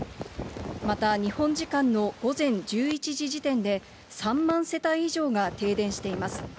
また、日本時間の午前１１時時点で、３万世帯以上が停電しています。